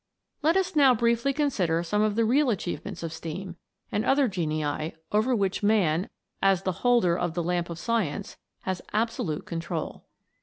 Let us now briefly consider some of the real achievements of Steam, and other genii, over which man, as the holder of the lamp of science, has abso lute control.